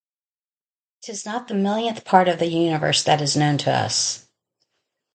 'Tis not the millionth part of the universe that is known to us.